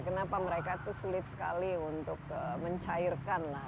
kenapa mereka itu sulit sekali untuk mencairkan lah